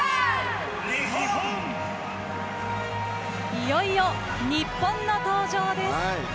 いよいよ日本の登場です。